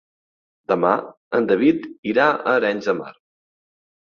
Demà en David irà a Arenys de Mar.